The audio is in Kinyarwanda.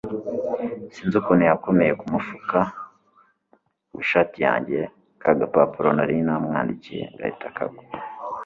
sinzi ukuntu yakomye kumufuka wishati yanjye, kagapapuro nari namwandikiye gahita kagwa